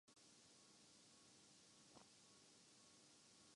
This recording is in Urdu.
آپ کو سمجھایا بھی تھا مگر آپ نے ظاہر کر دیا۔